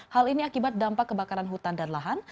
hal ini akibat dampak kebakaran hutan dan lahan